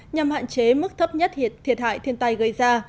nhằm hạn chế mức thấp nhất thiệt hại thiên tai gây ra